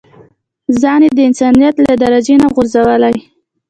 ځان يې د انسانيت له درجې نه غورځولی.